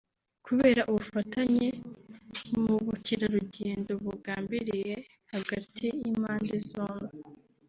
kubera ubufatanye mu by’ubukerarugendo bugambiriwe hagati y’impande zombi